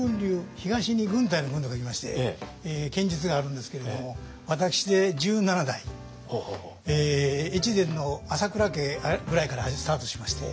東に軍隊の軍と書きまして剣術があるんですけれども私で１７代越前の朝倉家ぐらいからスタートしまして。